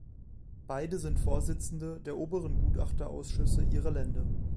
Beide sind Vorsitzende der Oberen Gutachterausschüsse ihrer Länder.